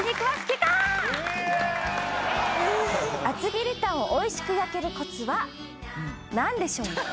「厚切りタンをおいしく焼けるコツは何でしょう？」